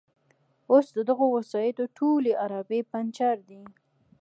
اوس د دغو وسایطو ټولې عرابې پنجر دي.